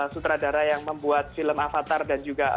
sutradara yang membuat film avatar dan juga